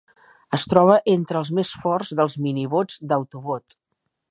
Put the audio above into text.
Es troba entre els més forts dels mini-bots d'Autobot.